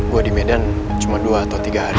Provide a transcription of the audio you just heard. gue di medan cuma dua atau tiga hari